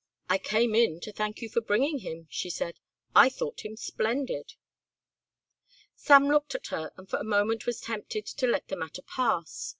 "I came in to thank you for bringing him," she said; "I thought him splendid." Sam looked at her and for a moment was tempted to let the matter pass.